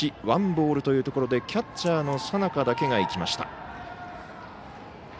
ワンボールというところでキャッチャーの佐仲だけがマウンドに行きました。